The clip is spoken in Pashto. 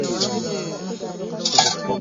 چي ترانې مي ورته ویلې ,